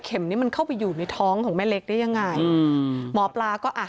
นี้มันเข้าไปอยู่ในท้องของแม่เล็กได้ยังไงอืมหมอปลาก็อ่ะ